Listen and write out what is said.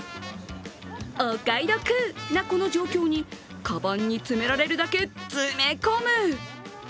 お買い得なこの状況にかばんに詰められるだけ詰め込む！